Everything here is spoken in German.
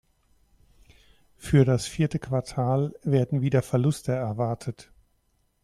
Für das vierte Quartal werden wieder Verluste erwartet.